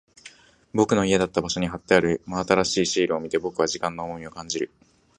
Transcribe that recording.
僕の家だった場所に貼ってある真新しいシールを見て、僕は時間の重みを感じる。